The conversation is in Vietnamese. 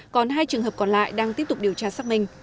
còn hai trường hợp còn lại đang tiếp tục điều tra xác minh